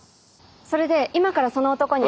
それで今からその男に。